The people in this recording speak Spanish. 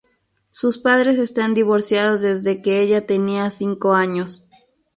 Sus padres están divorciados desde que ella tenía cinco años.